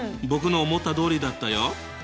僕の思ったとおりだったよ！